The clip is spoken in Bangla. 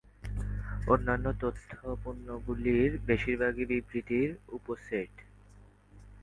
অন্যান্য তথ্য পণ্যগুলির বেশিরভাগই বিবৃতির উপসেট।